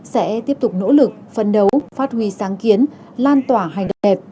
sẽ tiếp tục nỗ lực phân đấu phát huy sáng kiến lan tỏa hành đẹp